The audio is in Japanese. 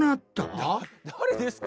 誰ですか？